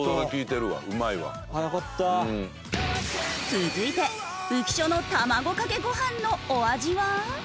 続いて浮所の卵かけご飯のお味は？